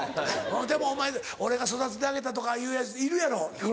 でもお前「俺が育ててあげた」とか言うヤツいるやろ。